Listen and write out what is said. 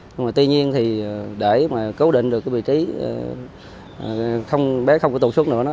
nhưng mà tuy nhiên thì để mà cố định được cái vị trí bé không tiếp tục xuống nữa